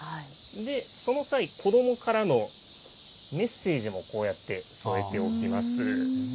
その際、子どもからのメッセージもこうやって添えておきます。